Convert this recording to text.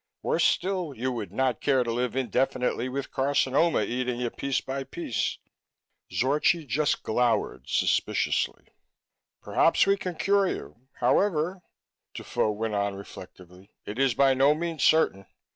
Worse still, you would not care to live indefinitely with carcinoma eating you piece by piece." Zorchi just glowered suspiciously. "Perhaps we can cure you, however," Defoe went on reflectively. "It is by no means certain.